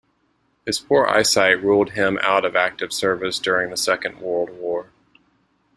His poor eyesight ruled him out of active service during the Second World War.